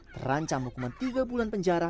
terancam hukuman tiga bulan penjara